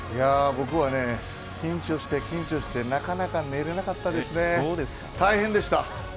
僕は緊張して緊張してなかなか寝れなかったですね。